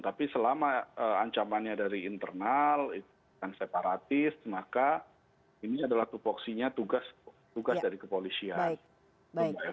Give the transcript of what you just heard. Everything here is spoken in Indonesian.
tapi selama ancamannya dari internal itu separatis maka ini adalah tupoksinya tugas dari kepolisian